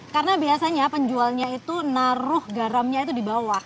karena biasanya penjualnya itu naruh garamnya itu di bawah